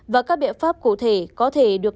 và các biện pháp cụ thể có thể được